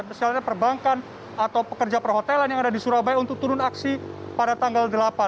misalnya perbankan atau pekerja perhotelan yang ada di surabaya untuk turun aksi pada tanggal delapan